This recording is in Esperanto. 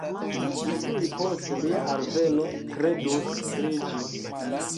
Li tuj post lia alveno kredus pri ĝi